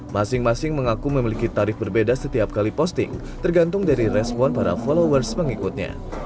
masing masing mengaku memiliki tarif berbeda setiap kali posting tergantung dari respon para followers pengikutnya